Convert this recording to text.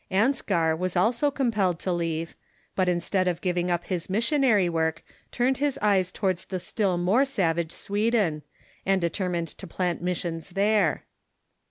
Anskar was also compelled to leave, but, instead of giving up his missionary Avork, turned his eyes towards the still more savage Sweden, and determined to plant missions there.